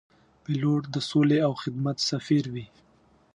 پیلوټ د سولې او خدمت سفیر وي.